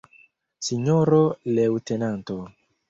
Sinjoro leŭtenanto!